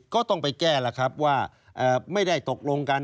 ก็ต้องไปแก้แล้วครับว่าไม่ได้ตกลงกัน